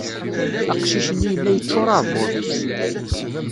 Aqcic-nni yella yeččur uεebbuḍ-is.